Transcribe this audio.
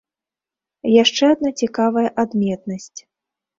Яшчэ адна цікавая адметнасць.